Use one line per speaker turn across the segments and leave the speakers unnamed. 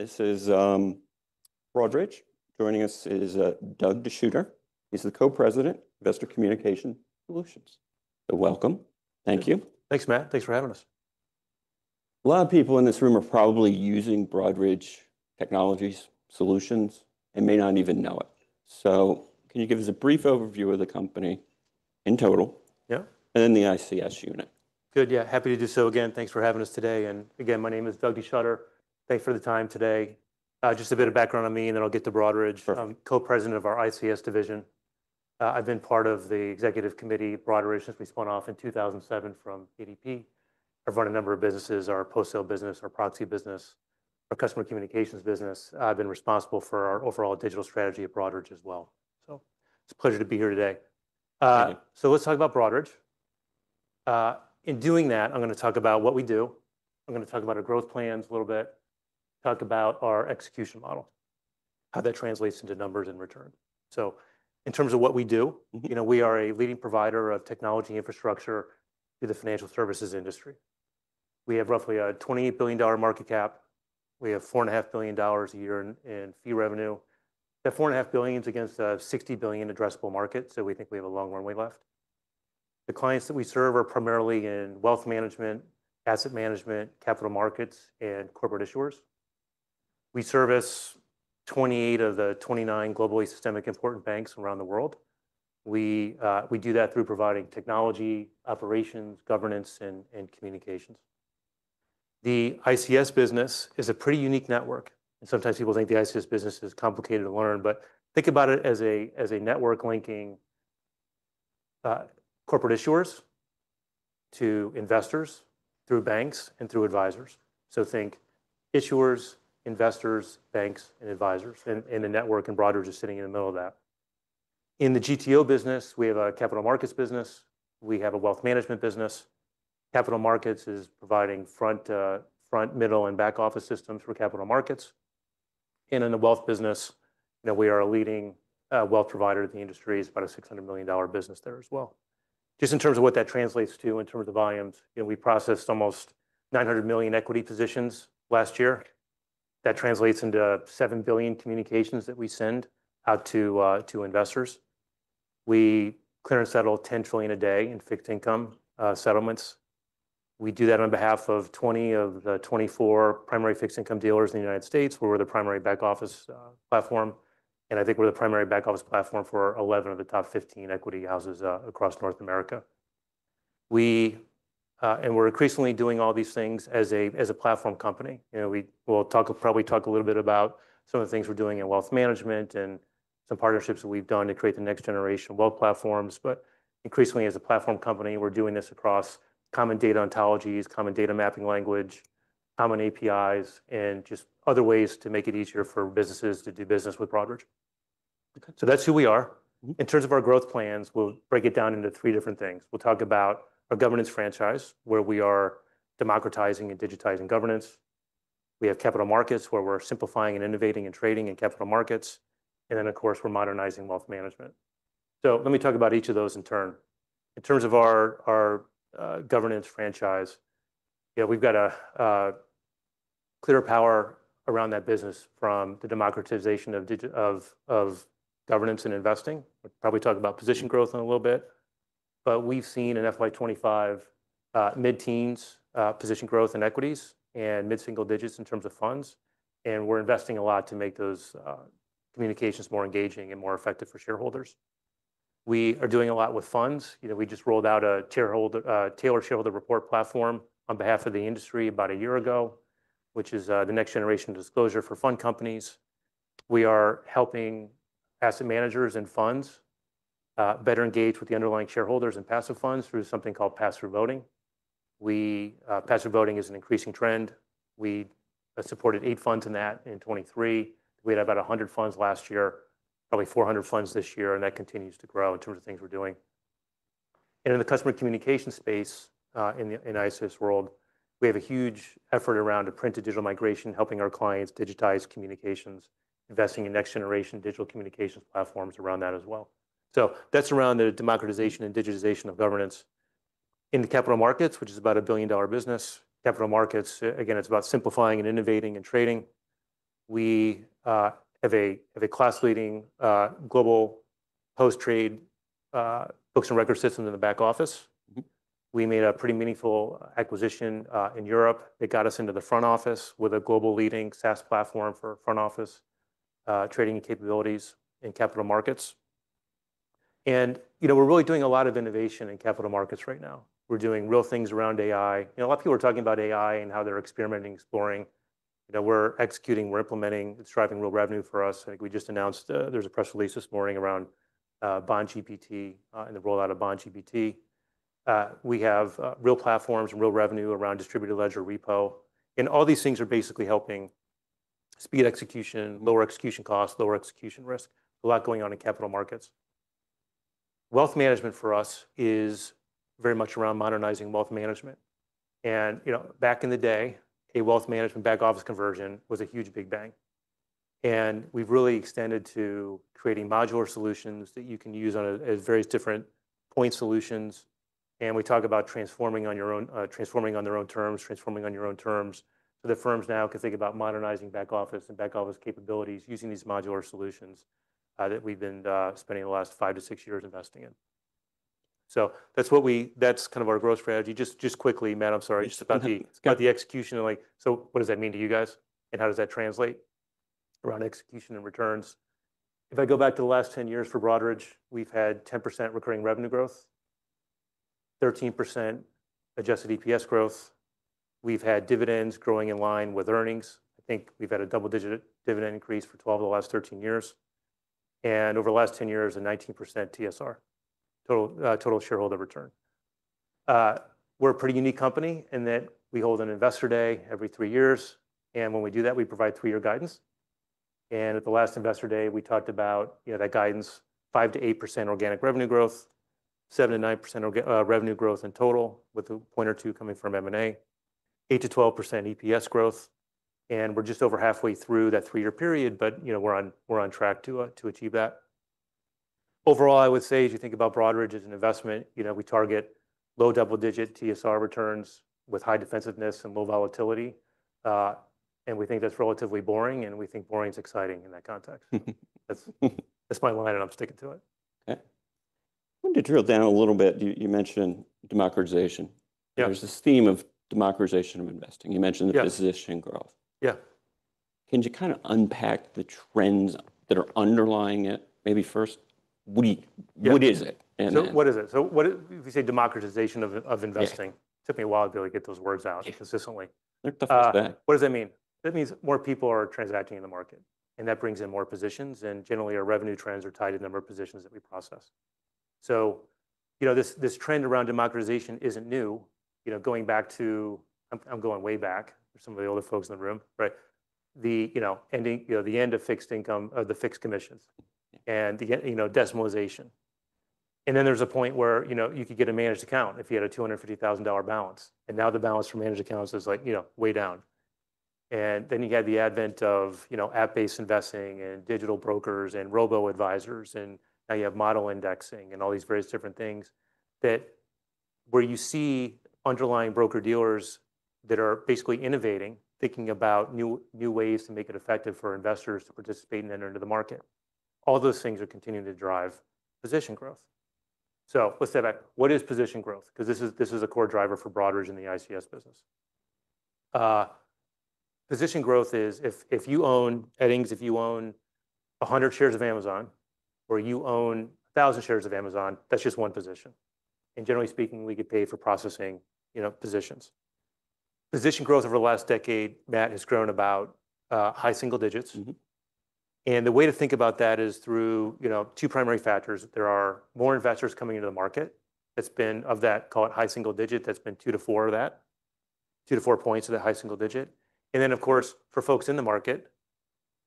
This is Broadridge. Joining us is Doug DeSchutter. He's the Co-President of Investor Communication Solutions. So welcome. Thank you.
Thanks, Matt. Thanks for having us.
A lot of people in this room are probably using Broadridge Financial Solutions and may not even know it. Can you give us a brief overview of the company in total?
Yeah.
The ICS unit.
Good. Yeah. Happy to do so again. Thanks for having us today. Again, my name is Doug DeSchutter. Thanks for the time today. Just a bit of background on me, and then I'll get to Broadridge.
Sure.
I'm co-president of our ICS division. I've been part of the executive committee at Broadridge since we spun off in 2007 from ADP. I've run a number of businesses: our post-sale business, our proxy business, our Customer Communications business. I've been responsible for our overall digital strategy at Broadridge as well. It's a pleasure to be here today.
Thank you.
Let's talk about Broadridge. In doing that, I'm gonna talk about what we do. I'm gonna talk about our growth plans a little bit, talk about our execution model, how that translates into numbers and return. In terms of what we do, you know, we are a leading provider of technology infrastructure to the financial services industry. We have roughly a $28 billion market cap. We have $4.5 billion a year in fee revenue. That $4.5 billion is against a $60 billion addressable market, so we think we have a long runway left. The clients that we serve are primarily in wealth management, asset management, capital markets, and corporate issuers. We service 28 of the 29 globally systemic important banks around the world. We do that through providing technology, operations, governance, and communications. The ICS business is a pretty unique network, and sometimes people think the ICS business is complicated to learn, but think about it as a, as a network linking corporate issuers to investors through banks and through advisors. Think issuers, investors, banks, and advisors, and the network and Broadridge just sitting in the middle of that. In the GTO business, we have a capital markets business. We have a wealth management business. Capital markets is providing front, middle, and back office systems for capital markets. In the wealth business, you know, we are a leading wealth provider to the industry. It's about a $600 million business there as well. Just in terms of what that translates to in terms of volumes, you know, we processed almost 900 million equity positions last year. That translates into 7 billion communications that we send out to investors. We clear and settle $10 trillion a day in fixed income settlements. We do that on behalf of 20 of the 24 primary fixed income dealers in the United States. We're the primary back office platform, and I think we're the primary back office platform for 11 of the top 15 equity houses across North America. We're increasingly doing all these things as a platform company. You know, we will probably talk a little bit about some of the things we're doing in wealth management and some partnerships that we've done to create the next generation wealth platforms. Increasingly, as a platform company, we're doing this across common data ontologies, common data mapping language, common APIs, and just other ways to make it easier for businesses to do business with Broadridge.
Okay.
That's who we are. In terms of our growth plans, we'll break it down into three different things. We'll talk about our governance franchise, where we are democratizing and digitizing governance. We have capital markets, where we're simplifying and innovating and trading in capital markets. Of course, we're modernizing wealth management. Let me talk about each of those in turn. In terms of our governance franchise, you know, we've got a clear power around that business from the democratization of governance and investing. We'll probably talk about position growth in a little bit, but we've seen in FY2025, mid-teens position growth in equities and mid-single digits in terms of funds. We're investing a lot to make those communications more engaging and more effective for shareholders. We are doing a lot with funds. You know, we just rolled out a Tailored Shareholder Report platform on behalf of the industry about a year ago, which is the next generation disclosure for fund companies. We are helping asset managers and funds better engage with the underlying shareholders and passive funds through something called passive voting. Passive voting is an increasing trend. We supported eight funds in that in 2023. We had about 100 funds last year, probably 400 funds this year, and that continues to grow in terms of things we're doing. In the customer communication space, in the ICS world, we have a huge effort around a print to digital migration, helping our clients digitize communications, investing in next generation digital communications platforms around that as well. That is around the democratization and digitization of governance. In the capital markets, which is about a $1 billion business, capital markets, again, it's about simplifying and innovating and trading. We have a class-leading, global post-trade, books and record system in the back office.
Mm-hmm.
We made a pretty meaningful acquisition in Europe. It got us into the front office with a global leading SaaS platform for front office trading capabilities in capital markets. You know, we're really doing a lot of innovation in capital markets right now. We're doing real things around AI. You know, a lot of people are talking about AI and how they're experimenting, exploring. You know, we're executing, we're implementing. It's driving real revenue for us. I think we just announced, there's a press release this morning around Bond GPT, and the rollout of Bond GPT. We have real platforms and real revenue around distributed ledger repo. All these things are basically helping speed execution, lower execution costs, lower execution risk. A lot going on in capital markets. Wealth management for us is very much around modernizing wealth management. You know, back in the day, a wealth management back office conversion was a huge big bang. We've really extended to creating modular solutions that you can use at various different point solutions. We talk about transforming on your own, transforming on their own terms, transforming on your own terms. The firms now can think about modernizing back office and back office capabilities using these modular solutions that we've been spending the last five to six years investing in. That's kind of our growth strategy. Just quickly, Matt, I'm sorry. Just about the, about the execution and like, so what does that mean to you guys and how does that translate? Around execution and returns. If I go back to the last 10 years for Broadridge, we've had 10% recurring revenue growth, 13% adjusted EPS growth. We've had dividends growing in line with earnings. I think we've had a double-digit dividend increase for 12 of the last 13 years. Over the last 10 years, a 19% TSR, total shareholder return. We're a pretty unique company in that we hold an investor day every three years. When we do that, we provide three-year guidance. At the last investor day, we talked about, you know, that guidance, 5-8% organic revenue growth, 7-9% revenue growth in total, with a point or two coming from M&A, 8-12% EPS growth. We're just over halfway through that three-year period, but, you know, we're on track to achieve that. Overall, I would say, as you think about Broadridge as an investment, you know, we target low double-digit TSR returns with high defensiveness and low volatility. We think that's relatively boring, and we think boring's exciting in that context. That's my line, and I'm sticking to it.
Okay. I wanted to drill down a little bit. You mentioned democratization.
Yeah.
There's this theme of democratization of investing. You mentioned the position growth.
Yeah.
Can you kind of unpack the trends that are underlying it? Maybe first, what do you, what is it? And then.
What is it? If you say democratization of investing.
Yeah.
Took me a while to be able to get those words out consistently.
They're tough as back.
What does that mean? That means more people are transacting in the market, and that brings in more positions. Generally, our revenue trends are tied to the number of positions that we process. You know, this trend around democratization isn't new. Going back to, I'm, I'm going way back. There are some of the older folks in the room, right? The, you know, ending, you know, the end of fixed commissions and the, you know, decimalization. There is a point where, you know, you could get a managed account if you had a $250,000 balance. Now the balance for managed accounts is, like, you know, way down. Then you had the advent of, you know, app-based investing and digital brokers and robo-advisors. You have model indexing and all these various different things where you see underlying broker-dealers that are basically innovating, thinking about new, new ways to make it effective for investors to participate and enter into the market. All those things are continuing to drive position growth. Let's step back. What is position growth? 'Cause this is, this is a core driver for Broadridge in the ICS business. Position growth is if, if you own Edings, if you own 100 shares of Amazon, or you own 1,000 shares of Amazon, that's just one position. And generally speaking, we could pay for processing, you know, positions. Position growth over the last decade, Matt, has grown about, high single digits.
Mm-hmm.
The way to think about that is through, you know, two primary factors. There are more investors coming into the market. That's been of that, call it high single digit. That's been two to four of that, two to four points of that high single digit. Of course, for folks in the market,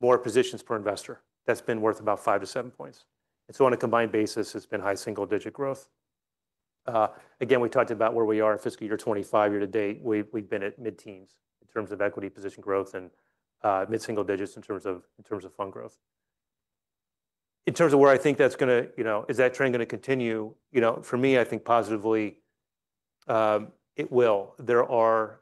more positions per investor. That's been worth about five to seven points. On a combined basis, it's been high single digit growth. Again, we talked about where we are in fiscal year 2025. Year to date, we've been at mid-teens in terms of equity position growth and mid-single digits in terms of fund growth. In terms of where I think that's gonna, you know, is that trend gonna continue? You know, for me, I think positively, it will. There are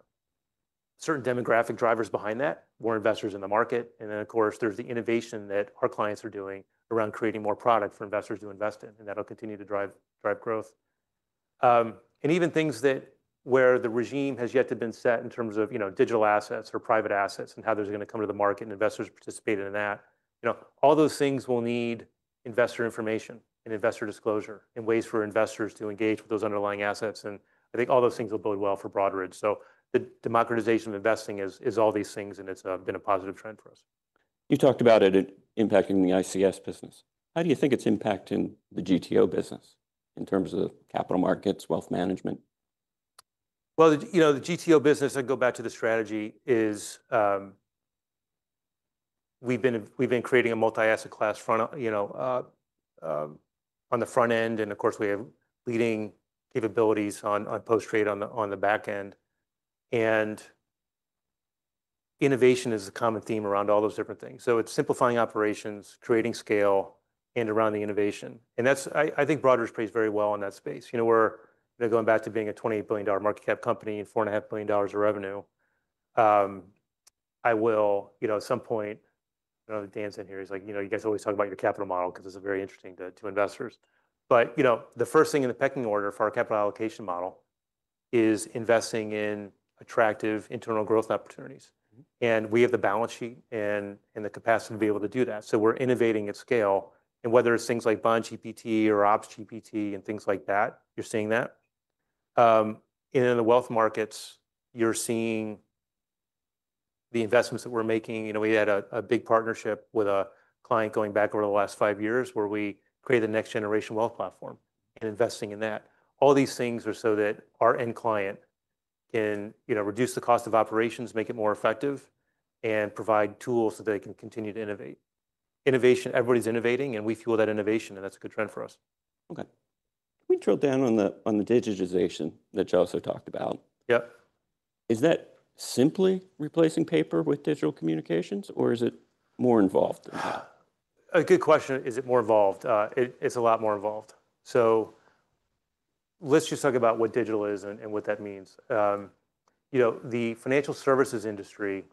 certain demographic drivers behind that, more investors in the market. Of course, there is the innovation that our clients are doing around creating more product for investors to invest in, and that will continue to drive growth. Even things where the regime has yet to been set in terms of, you know, digital assets or private assets and how those are gonna come to the market and investors participating in that, you know, all those things will need investor information and investor disclosure and ways for investors to engage with those underlying assets. I think all those things will build well for Broadridge. The democratization of investing is all these things, and it has been a positive trend for us.
You talked about it impacting the ICS business. How do you think it's impacting the GTO business in terms of capital markets, wealth management?
The, you know, the GTO business, I go back to the strategy, is, we've been creating a multi-asset class front, you know, on the front end. Of course, we have leading capabilities on post-trade on the back end. Innovation is a common theme around all those different things. It is simplifying operations, creating scale, and around the innovation. I think Broadridge plays very well in that space. You know, we're, you know, going back to being a $28 billion market cap company and $4.5 billion of revenue. I will, you know, at some point, I do not know if Dan's in here. He's like, you guys always talk about your capital model because it is very interesting to investors. You know, the first thing in the pecking order for our capital allocation model is investing in attractive internal growth opportunities. We have the balance sheet and the capacity to be able to do that. We are innovating at scale. Whether it is things like Bond GPT or Ops GPT and things like that, you are seeing that. In the wealth markets, you are seeing the investments that we are making. We had a big partnership with a client going back over the last five years where we created the next generation wealth platform and invested in that. All these things are so that our end client can reduce the cost of operations, make it more effective, and provide tools so they can continue to innovate. Innovation, everybody is innovating, and we fuel that innovation, and that is a good trend for us.
Okay. Can we drill down on the, on the digitization that you also talked about?
Yep.
Is that simply replacing paper with digital communications, or is it more involved than that?
A good question. Is it more involved? It, it's a lot more involved. Let's just talk about what digital is and what that means. You know, the financial services industry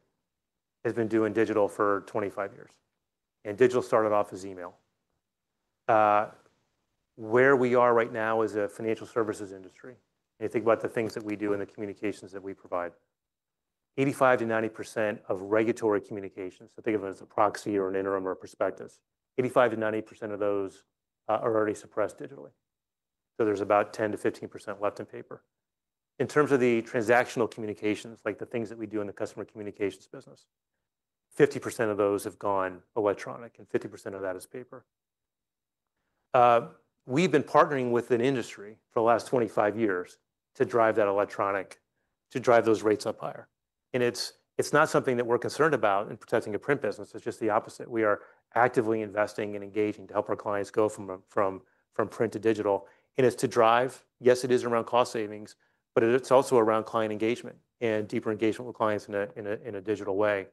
has been doing digital for 25 years, and digital started off as email. Where we are right now is a financial services industry, and you think about the things that we do and the communications that we provide. 85-90% of regulatory communications, so think of it as a proxy or an interim or a prospectus, 85-90% of those are already suppressed digitally. There's about 10-15% left in paper. In terms of the transactional communications, like the things that we do in the customer communications business, 50% of those have gone electronic, and 50% of that is paper. We've been partnering with an industry for the last 25 years to drive that electronic, to drive those rates up higher. It's not something that we're concerned about in protecting a print business. It's just the opposite. We are actively investing and engaging to help our clients go from print to digital. It's to drive, yes, it is around cost savings, but it's also around client engagement and deeper engagement with clients in a digital way.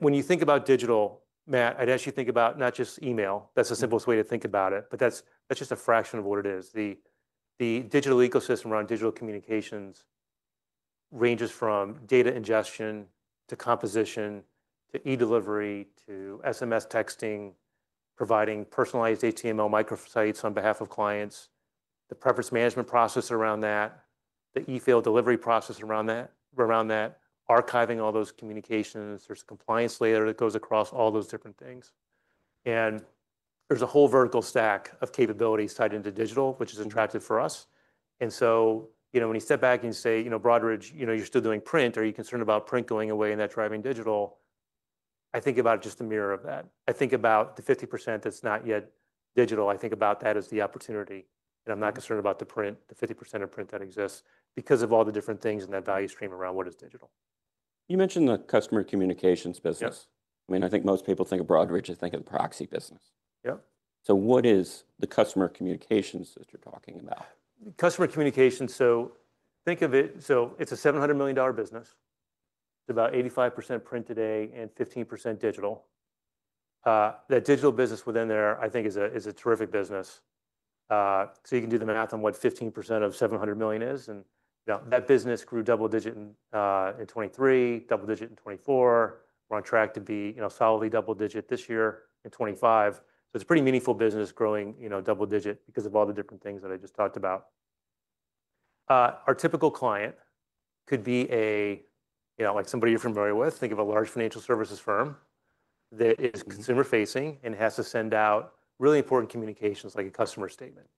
When you think about digital, Matt, I'd ask you to think about not just email. That's the simplest way to think about it, but that's just a fraction of what it is. The digital ecosystem around digital communications ranges from data ingestion to composition to e-delivery to SMS texting, providing personalized HTML microsites on behalf of clients, the preference management process around that, the e-fail delivery process around that, around that, archiving all those communications. There is a compliance layer that goes across all those different things. There is a whole vertical stack of capabilities tied into digital, which is attractive for us. You know, when you step back and you say, you know, Broadridge, you know, you are still doing print, are you concerned about print going away and that driving digital? I think about it just a mirror of that. I think about the 50% that is not yet digital. I think about that as the opportunity. I'm not concerned about the print, the 50% of print that exists because of all the different things in that value stream around what is digital.
You mentioned the Customer Communications business.
Yes.
I mean, I think most people think of Broadridge, they think of the proxy business.
Yep.
What is the customer communications that you're talking about?
Customer Communications. So think of it, so it is a $700 million business. It is about 85% print today and 15% digital. That digital business within there, I think, is a, is a terrific business. You can do the math on what 15% of $700 million is. You know, that business grew double digit in 2023, double digit in 2024. We are on track to be, you know, solidly double digit this year in 2025. It is a pretty meaningful business growing, you know, double digit because of all the different things that I just talked about. Our typical client could be a, you know, like somebody you are familiar with. Think of a large financial services firm that is consumer-facing and has to send out really important communications like a customer statement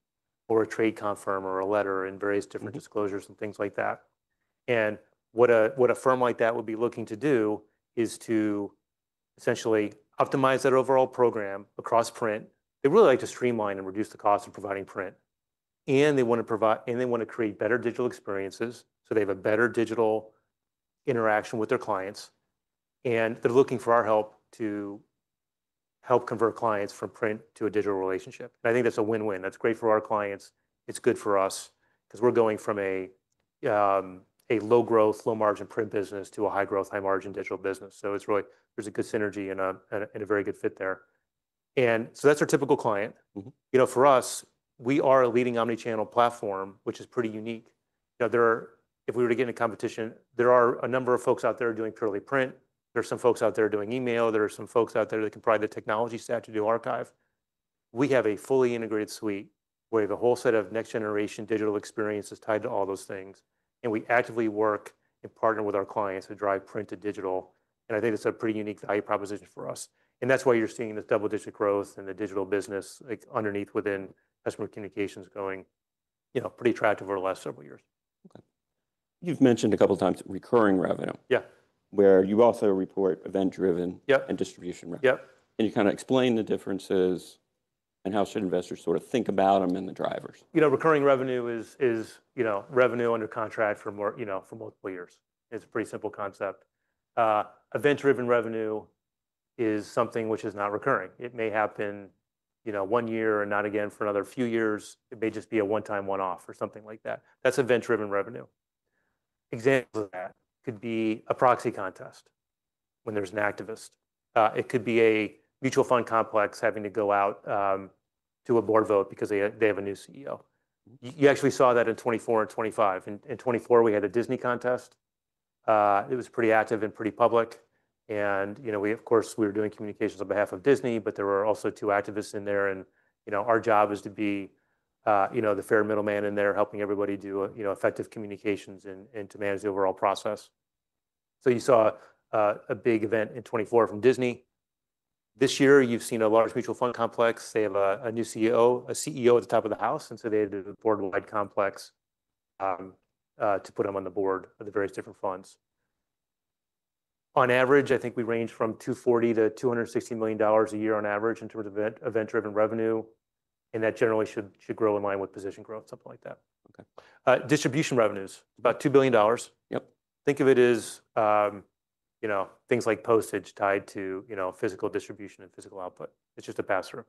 or a trade confirm or a letter and various different disclosures and things like that. What a firm like that would be looking to do is to essentially optimize that overall program across print. They really like to streamline and reduce the cost of providing print. They want to provide, and they want to create better digital experiences so they have a better digital interaction with their clients. They are looking for our help to help convert clients from print to a digital relationship. I think that's a win-win. That's great for our clients. It's good for us 'cause we're going from a low-growth, low-margin print business to a high-growth, high-margin digital business. There is a good synergy and a very good fit there. That is our typical client.
Mm-hmm.
You know, for us, we are a leading Omnichannel platform, which is pretty unique. You know, there are, if we were to get into competition, there are a number of folks out there doing purely print. There are some folks out there doing email. There are some folks out there that can provide the technology stack to do archive. We have a fully integrated suite where the whole set of next-generation digital experience is tied to all those things. We actively work and partner with our clients to drive print to digital. I think it's a pretty unique value proposition for us. That's why you're seeing this double-digit growth and the digital business, like, underneath within customer communications going, you know, pretty attractive over the last several years.
Okay. You've mentioned a couple of times recurring revenue.
Yeah.
Where you also report event-driven.
Yep.
Distribution revenue.
Yep.
Can you kind of explain the differences and how should investors sort of think about them and the drivers?
You know, recurring revenue is, you know, revenue under contract for more, you know, for multiple years. It's a pretty simple concept. Event-driven revenue is something which is not recurring. It may happen, you know, one year and not again for another few years. It may just be a one-time, one-off or something like that. That's event-driven revenue. Examples of that could be a proxy contest when there's an activist. It could be a mutual fund complex having to go out to a board vote because they have a new CEO. You actually saw that in 2024 and 2025. In 2024, we had a Disney contest. It was pretty active and pretty public. You know, we, of course, we were doing communications on behalf of Disney, but there were also two activists in there. You know, our job is to be, you know, the fair middleman in there helping everybody do a, you know, effective communications and to manage the overall process. You saw a big event in 2024 from Disney. This year, you've seen a large mutual fund complex. They have a new CEO, a CEO at the top of the house. They added a board-wide complex to put them on the board of the various different funds. On average, I think we range from $240 million-$260 million a year on average in terms of event-driven revenue. That generally should grow in line with position growth, something like that.
Okay.
distribution revenues, about $2 billion.
Yep.
Think of it as, you know, things like postage tied to, you know, physical distribution and physical output. It's just a pass-through.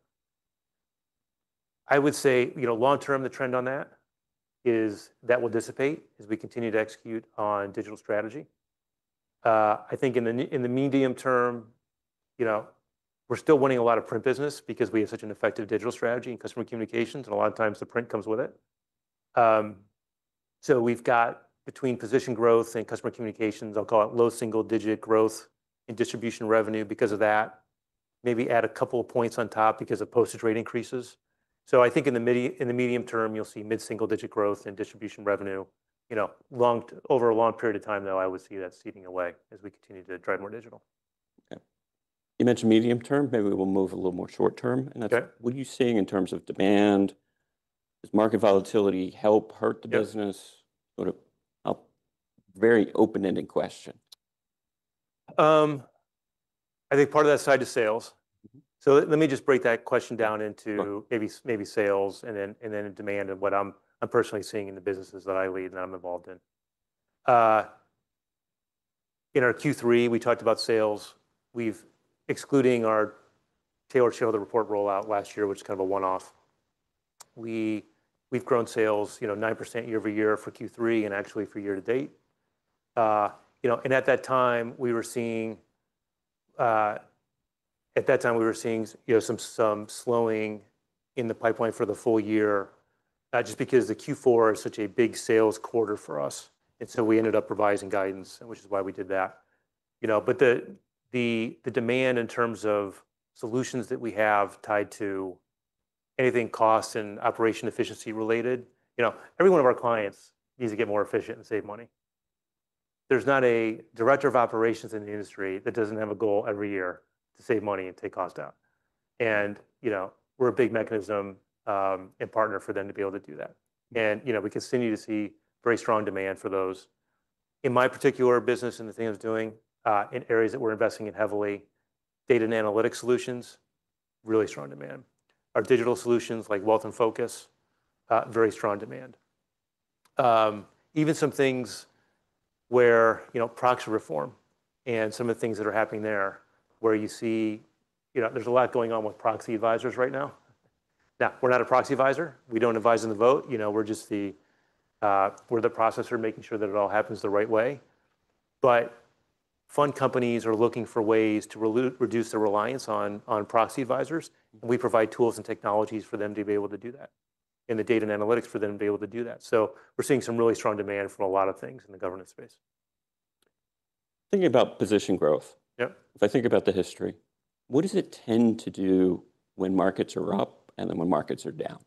I would say, you know, long-term, the trend on that is that will dissipate as we continue to execute on digital strategy. I think in the, in the medium term, you know, we're still winning a lot of print business because we have such an effective digital strategy and customer communications. And a lot of times the print comes with it. so we've got between position growth and customer communications, I'll call it low single-digit growth in distribution revenue because of that, maybe add a couple of points on top because of postage rate increases. I think in the mid- in the medium term, you'll see mid-single-digit growth in distribution revenue. You know, long, over a long period of time, though, I would see that seeding away as we continue to drive more digital.
Okay. You mentioned medium term. Maybe we'll move a little more short term. That's.
Okay.
What are you seeing in terms of demand? Does market volatility help or hurt the business?
Yes.
Sort of a very open-ended question.
I think part of that side is sales. Let me just break that question down into maybe, maybe sales and then demand of what I'm personally seeing in the businesses that I lead and I'm involved in. In our Q3, we talked about sales. Excluding our Tailored Shareholder Report rollout last year, which is kind of a one-off, we've grown sales 9% year over year for Q3 and actually for year to date. You know, at that time, we were seeing some slowing in the pipeline for the full year, just because Q4 is such a big sales quarter for us. We ended up revising guidance, which is why we did that. You know, the demand in terms of solutions that we have tied to anything cost and operation efficiency related, you know, every one of our clients needs to get more efficient and save money. There's not a director of operations in the industry that doesn't have a goal every year to save money and take cost out. You know, we're a big mechanism and partner for them to be able to do that. You know, we continue to see very strong demand for those. In my particular business and the things I'm doing, in areas that we're investing in heavily, data and analytic solutions, really strong demand. Our digital solutions like Wealth and Focus, very strong demand. even some things where, you know, proxy reform and some of the things that are happening there where you see, you know, there's a lot going on with proxy advisors right now. Now, we're not a proxy advisor. We don't advise in the vote. You know, we're just the, we're the processor making sure that it all happens the right way. But fund companies are looking for ways to reduce their reliance on, on proxy advisors. And we provide tools and technologies for them to be able to do that and the data and analytics for them to be able to do that. So we're seeing some really strong demand for a lot of things in the governance space.
Thinking about position growth.
Yep.
If I think about the history, what does it tend to do when markets are up and then when markets are down?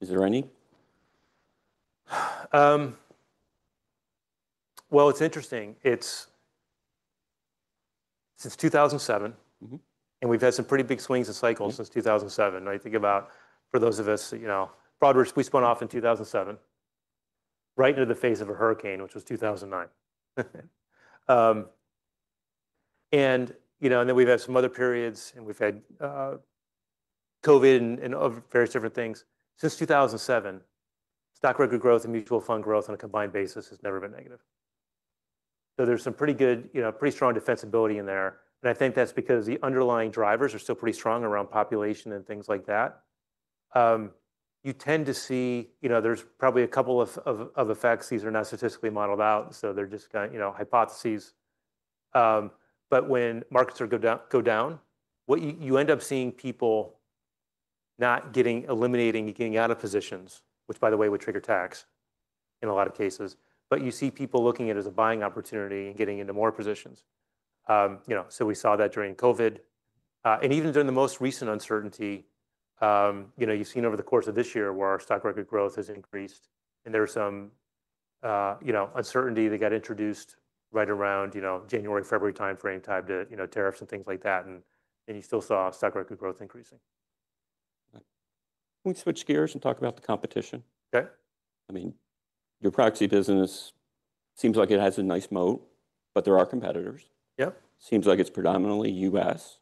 Is there any?
It's interesting. It's since 2007.
Mm-hmm.
We've had some pretty big swings and cycles since 2007. I think about, for those of us, you know, Broadridge, we spun off in 2007 right into the face of a hurricane, which was 2009. You know, and then we've had some other periods and we've had COVID and various different things. Since 2007, stock market growth and mutual fund growth on a combined basis has never been negative. There is some pretty good, you know, pretty strong defensibility in there. I think that's because the underlying drivers are still pretty strong around population and things like that. You tend to see, you know, there's probably a couple of effects. These are not statistically modeled out, so they're just kind of, you know, hypotheses. When markets go down, what you end up seeing is people not getting out of positions, which by the way would trigger tax in a lot of cases. You see people looking at it as a buying opportunity and getting into more positions. You know, we saw that during COVID, and even during the most recent uncertainty, you know, you've seen over the course of this year where our stock market growth has increased. There was some uncertainty that got introduced right around the January, February timeframe, tied to tariffs and things like that, and you still saw stock market growth increasing.
Can we switch gears and talk about the competition?
Okay.
I mean, your proxy business seems like it has a nice moat, but there are competitors.
Yep.
Seems like it's predominantly U.S.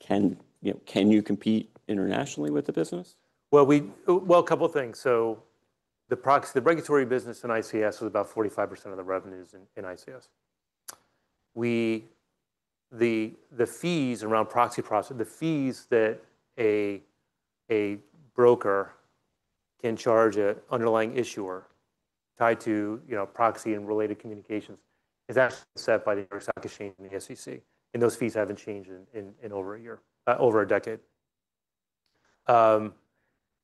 Can, you know, can you compete internationally with the business?
A couple of things. The proxy, the regulatory business in ICS was about 45% of the revenues in ICS. The fees around proxy process, the fees that a broker can charge an underlying issuer tied to proxy and related communications is actually set by the New York Stock Exchange and the SEC. Those fees have not changed in over a decade.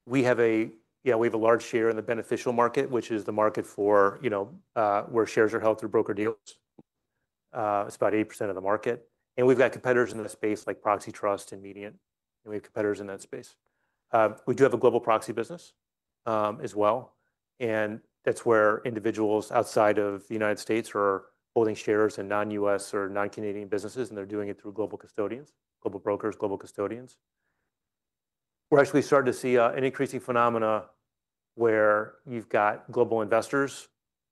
We have a large share in the beneficial market, which is the market for where shares are held through broker deals. It is about 80% of the market. We have competitors in the space like Proxy Trust and Mediant. We have competitors in that space. We do have a global proxy business as well. That is where individuals outside of the U.S. are holding shares in non-U.S. or non-Canadian businesses, and they are doing it through global custodians, global brokers, global custodians. We are actually starting to see an increasing phenomena where you have got global investors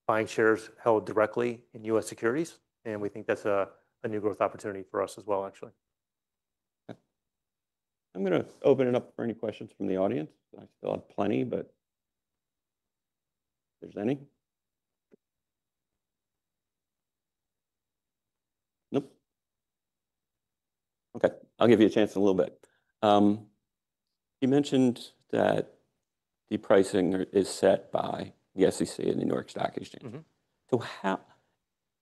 buying shares held directly in U.S. securities. We think that is a new growth opportunity for us as well, actually.
Okay. I'm going to open it up for any questions from the audience. I still have plenty, but if there's any. Nope. Okay. I'll give you a chance in a little bit. You mentioned that the pricing is set by the SEC and the New York Stock Exchange.
Mm-hmm.
How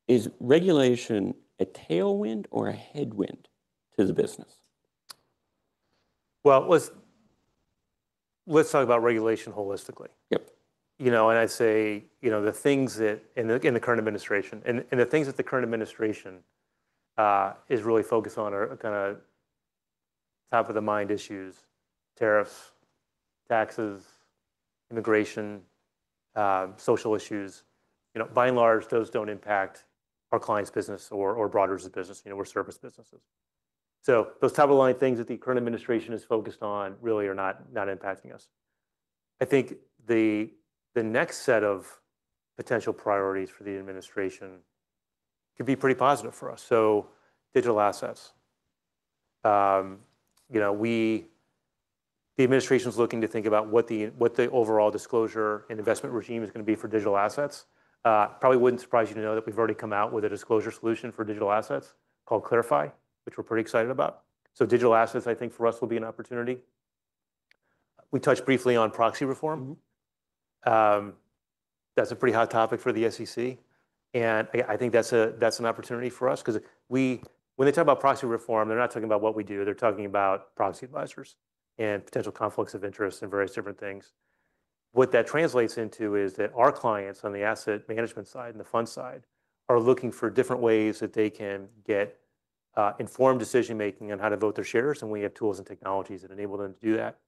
is regulation a tailwind or a headwind to the business?
Let's talk about regulation holistically.
Yep.
You know, and I say, you know, the things that, and the, in the current administration, and, and the things that the current administration is really focused on are kind of top of the mind issues, tariffs, taxes, immigration, social issues. You know, by and large, those do not impact our clients' business or, or Broadridge business. You know, we are service businesses. So those top-of-the-line things that the current administration is focused on really are not, not impacting us. I think the next set of potential priorities for the administration could be pretty positive for us. So digital assets. You know, we, the administration is looking to think about what the, what the overall disclosure and investment regime is going to be for digital assets. Probably would not surprise you to know that we have already come out with a disclosure solution for digital assets called Clarify, which we are pretty excited about. Digital assets, I think for us will be an opportunity. We touched briefly on proxy reform.
Mm-hmm.
That's a pretty hot topic for the SEC. I think that's an opportunity for us because we, when they talk about proxy reform, they're not talking about what we do. They're talking about proxy advisors and potential conflicts of interest and various different things. What that translates into is that our clients on the asset management side and the fund side are looking for different ways that they can get informed decision-making on how to vote their shares. We have tools and technologies that enable them to do that.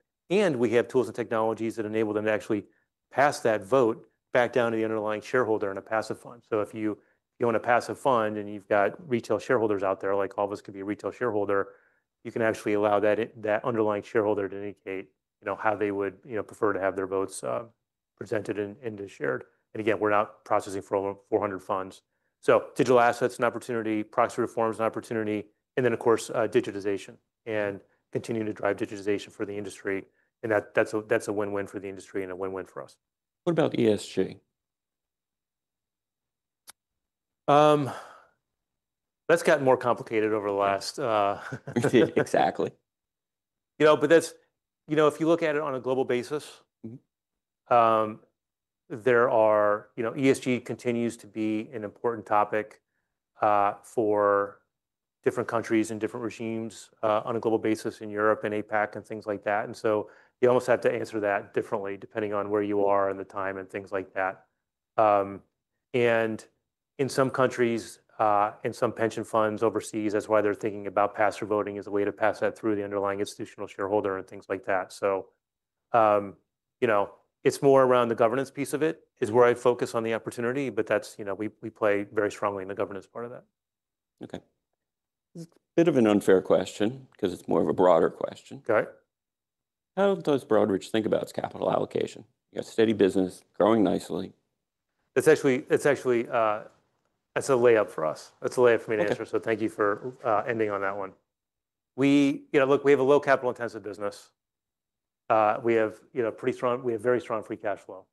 We have tools and technologies that enable them to actually pass that vote back down to the underlying shareholder in a passive fund. If you own a passive fund and you have retail shareholders out there, like all of us could be a retail shareholder, you can actually allow that underlying shareholder to indicate, you know, how they would prefer to have their votes presented and shared. Again, we are not processing for 400 funds. Digital assets is an opportunity, proxy reform is an opportunity, and then, of course, digitization and continuing to drive digitization for the industry. That is a win-win for the industry and a win-win for us.
What about ESG?
that's gotten more complicated over the last,
Exactly.
You know, but that's, you know, if you look at it on a global basis, there are, you know, ESG continues to be an important topic for different countries and different regimes, on a global basis in Europe and APAC and things like that. You almost have to answer that differently depending on where you are and the time and things like that. In some countries, and some pension funds overseas, that's why they're thinking about pass-through voting as a way to pass that through the underlying institutional shareholder and things like that. You know, it's more around the governance piece of it is where I focus on the opportunity, but that's, you know, we play very strongly in the governance part of that.
Okay. It's a bit of an unfair question because it's more of a broader question.
Got it.
How does Broadridge think about its capital allocation? You got steady business growing nicely.
That's actually, that's a layup for us. That's a layup for me to answer. Thank you for ending on that one. We, you know, look, we have a low capital-intensive business. We have, you know, pretty strong, we have very strong free cash flow.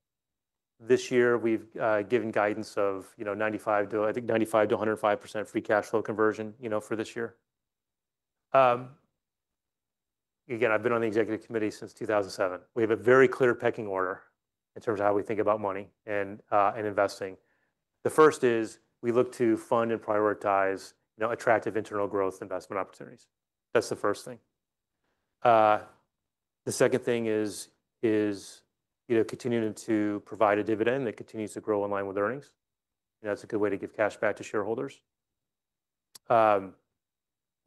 This year we've given guidance of, you know, 95%-105% free cash flow conversion, you know, for this year. Again, I've been on the executive committee since 2007. We have a very clear pecking order in terms of how we think about money and investing. The first is we look to fund and prioritize, you know, attractive internal growth investment opportunities. That's the first thing. The second thing is, you know, continuing to provide a dividend that continues to grow in line with earnings. You know, that's a good way to give cash back to shareholders. The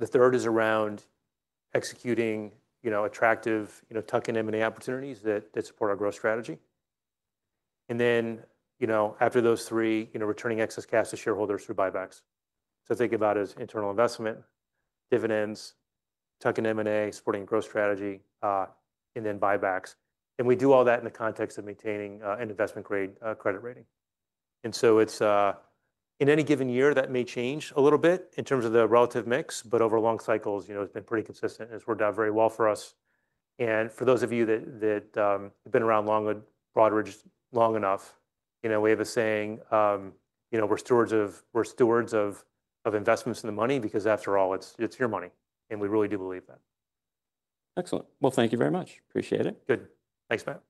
third is around executing, you know, attractive, you know, tuck-in M&A opportunities that support our growth strategy. After those three, you know, returning excess cash to shareholders through buybacks. Think about it as internal investment, dividends, tuck-in M&A, supporting growth strategy, and then buybacks. We do all that in the context of maintaining an investment grade credit rating. In any given year that may change a little bit in terms of the relative mix, but over long cycles, you know, it has been pretty consistent and it has worked out very well for us. For those of you that have been around with Broadridge long enough, you know, we have a saying, you know, we are stewards of investments and the money because after all, it is your money. We really do believe that.
Excellent. Thank you very much. Appreciate it.
Good. Thanks, Matt.
Thank you.